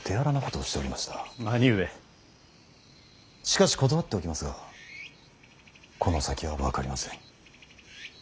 しかし断っておきますがこの先は分かりません。